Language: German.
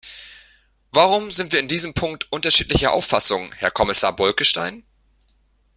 Warum sind wir in diesem Punkt unterschiedlicher Auffassung, Herr Kommissar Bolkestein?